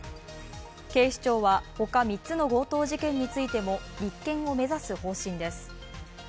警視庁は、ほか３つの強盗事件についても立件を目指す方針です。